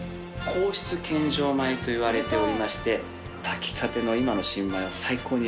皇室献上米といわれておりまして炊きたての今の新米は最高に美味しいと思います。